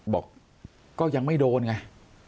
บอกก็ยังไม่โดนไง